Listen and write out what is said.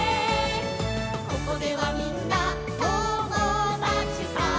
「ここではみんな友だちさ」